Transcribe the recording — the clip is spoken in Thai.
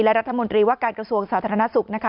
และรัฐมนตรีว่าการกระทรวงสาธารณสุขนะคะ